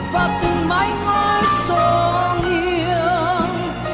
và từng mái ngói so nghiêng